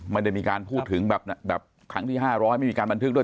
ไม่ได้มีการพูดถึงแบบครั้งที่๕๐๐ไม่มีการบันทึกด้วย